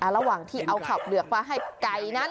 ระหว่างที่เอาข้าวเปลือกมาให้ไก่นั้น